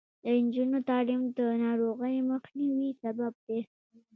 د نجونو تعلیم د ناروغیو مخنیوي سبب دی.